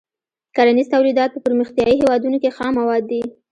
کرنیز تولیدات په پرمختیايي هېوادونو کې خام مواد دي.